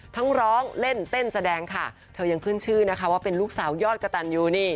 ร้องเล่นเต้นแสดงค่ะเธอยังขึ้นชื่อนะคะว่าเป็นลูกสาวยอดกระตันยูนี่